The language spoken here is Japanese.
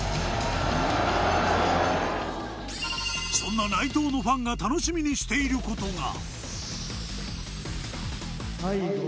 そんな内藤のファンが楽しみにしている事が。